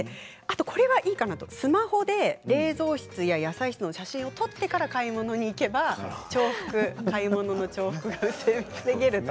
これはいいなと思ったのはスマホで冷蔵室や野菜室の写真を撮ってから買い物に行くと重複を防げると。